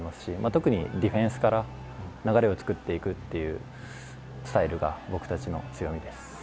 特にディフェンスから流れをつくっていくというスタイルが僕たちの強みです。